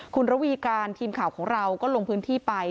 คุณระวีการทีมข่าวของเราก็ลงพื้นที่ไป